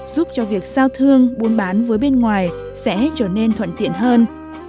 giúp cho việc giao thương buôn bán với bên ngoài sẽ trở nên thuận tiện hơn